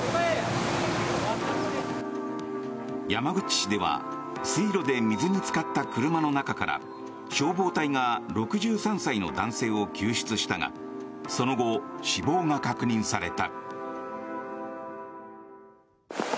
山口市では水路で水につかった車の中から消防隊が６３歳の男性を救出したがその後、死亡が確認された。